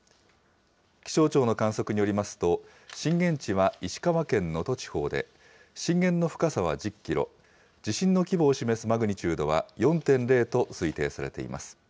気象庁の観測によりますと、震源地は石川県能登地方で、震源の深さは１０キロ、地震の規模を示すマグニチュードは４．０と推定されています。